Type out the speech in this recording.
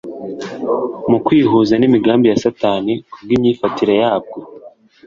Mu kwihuza n'imigambi ya Satani kubw'imyifatire yabwo,